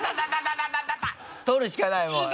取るしかないもう。